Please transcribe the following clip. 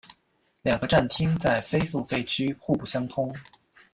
两个站厅在非付费区互不相通。